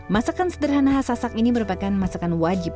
masakan sederhana khas sasak ini merupakan masakan wajib